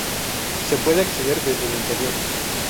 Se puede acceder desde el interior.